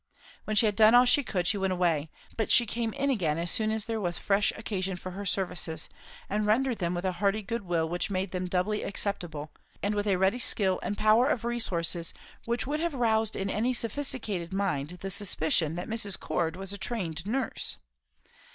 When she had done all she could, she went away; but she came in again as soon as there was fresh occasion for her services, and rendered them with a hearty good will which made them doubly acceptable, and with a ready skill and power of resources which would have roused in any sophisticated mind the suspicion that Mrs. Cord was a trained nurse.